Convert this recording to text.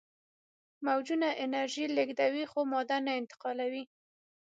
موجونه انرژي لیږدوي خو ماده نه انتقالوي.